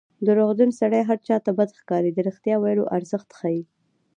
دروغجن سړی هر چا ته بد ښکاري د رښتیا ویلو ارزښت ښيي